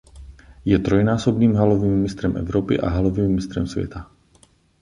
Je trojnásobným halovým mistrem Evropy a halovým mistrem světa.